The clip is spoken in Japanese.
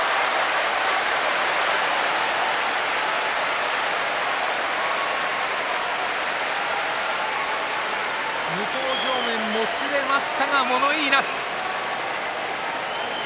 拍手と歓声向正面もつれましたが物言いなし。